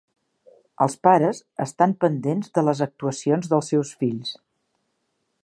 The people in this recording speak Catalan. Els pares estan pendents de les actuacions dels seus fills.